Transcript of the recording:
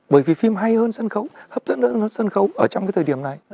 bởi vì phim hay hơn sân khấu hấp dẫn hơn sân khấu ở trong cái thời điểm này